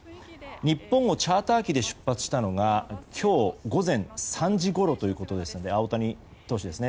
日本をチャーター機で出発したのが今日午前３時ごろということですので大谷投手もいます。